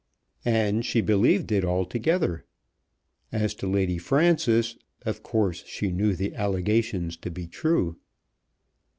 And she believed it altogether. As to Lady Frances, of course she knew the allegations to be true.